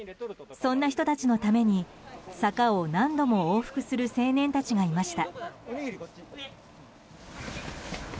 そんな人たちのために坂を何度も往復する青年たちがいました。